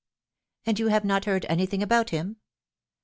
" And you have not heard anything about him